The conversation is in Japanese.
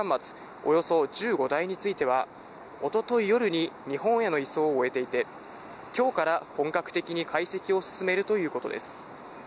およそ１５台については、一昨日夜に日本への移送を終えていて、今日から本格的に解析を進めるということです。